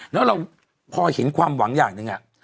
แล้วเราพอเห็นความหวังอย่างหนึ่ง